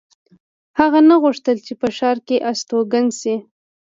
هغه نه غوښتل چې په ښار کې استوګن شي